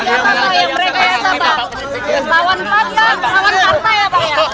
lawan pak ya lawan pak ya pak